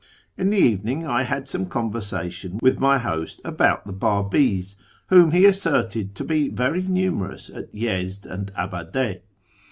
In the evening I had some conversation with my host about the Babis, whom he asserted to be very numerous at Yezd and Abade.